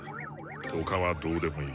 他はどうでもいい。